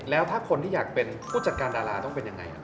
แล้วถ้าคนที่อยากเป็นผู้จัดการดาราต้องเป็นยังไง